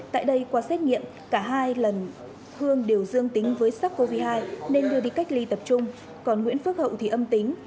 tại đây qua xét nghiệm cả hai lần hương đều dương tính với sars cov hai nên đưa đi cách ly tập trung còn nguyễn phước hậu thì âm tính